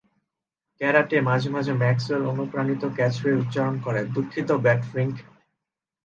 Karate মাঝে মাঝে ম্যাক্সওয়েল-অনুপ্রাণিত ক্যাচফ্রেজ উচ্চারণ করে, দুঃখিত, ব্যাটফিঙ্ক।